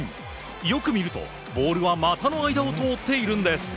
よく見るとボールは股の間を通っているんです。